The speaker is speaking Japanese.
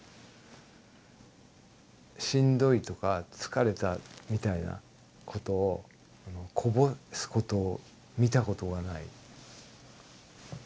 「しんどい」とか「疲れた」みたいなことをこぼすことを見たことがない。